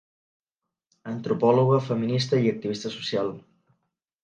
Antropòloga, feminista i activista social.